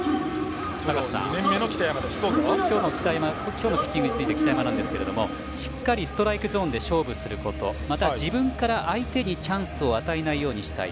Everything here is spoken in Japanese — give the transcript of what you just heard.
今日のピッチングについて北山なんですがしっかりストライクゾーンで勝負することまた、自分から相手にチャンスを与えないようにしたい。